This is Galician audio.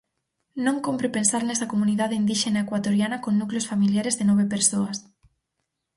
Non cómpre pensar nesa comunidade indíxena ecuatoriana con núcleos familiares de nove persoas.